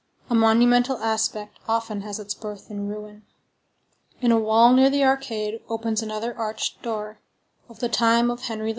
A monumental aspect often has its birth in ruin. In a wall near the arcade opens another arched door, of the time of Henry IV.